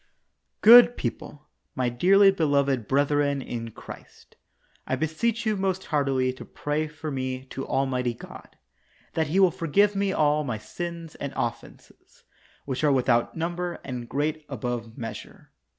Good people — my dearly beloved brethren in Christ — I beseech you most heartily to pray for me to Almighty God, that He will forgive me all my sins and offenses, which are without number, and great above measure.